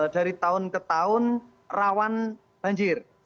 dari tahun ke tahun rawan banjir